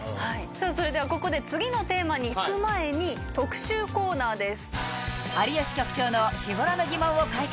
それではここで次のテーマに行く前に特集コーナーです。